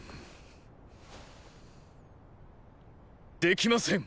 できません。